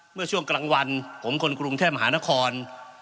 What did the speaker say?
เมื่อช่วงกลางวันผมคนกรุงเทพมหานคร